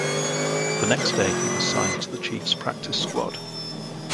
The next day he was signed to the Chiefs practice squad.